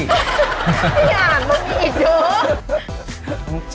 พี่อันบ้างผิดเยอะ